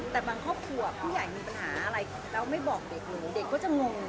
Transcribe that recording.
แต่บางครอบครัวผู้ใหญ่มีปัญหาอะไรแล้วไม่บอกเด็กหนูเด็กก็จะงง